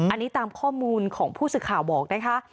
อันนี้ตามข้อมูลของผู้สื่อข่าวบอกนะคะ